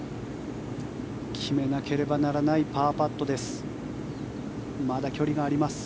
決めなければならないパーパットです。